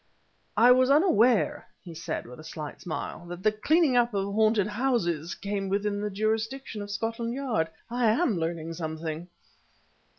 "I was unaware," he said with a slight smile, "that the cleaning up of haunted houses came within the jurisdiction of Scotland Yard. I am learning something."